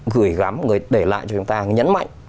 gửi gắm người để lại cho chúng ta nhấn mạnh